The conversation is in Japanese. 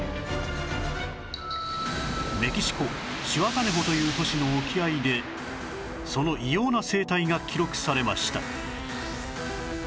メキシコシワタネホという都市の沖合でその異様な生態が記録されました